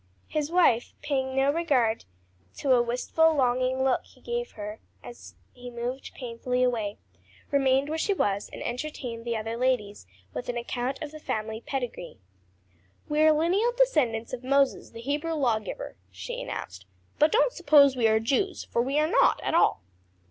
His wife, paying no regard to a wistful, longing look he gave her as he moved painfully away, remained where she was and entertained the other ladies with an account of the family pedigree. "We are lineal descendants of Moses, the Hebrew Lawgiver," she announced. "But don't suppose we are Jews, for we are not at all."